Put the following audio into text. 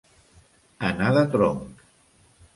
Anar de tronc.